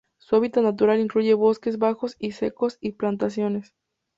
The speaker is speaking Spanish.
Su hábitat natural incluye bosques bajos y secos y plantaciones.